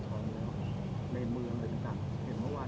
หมอบรรยาหมอบรรยาหมอบรรยา